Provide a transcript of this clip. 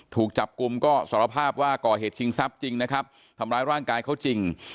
ถูกจับกลุ่มก็สารภาพว่าก่อเหตุชิงทรัพย์จริงนะครับทำร้ายร่างกายเขาจริง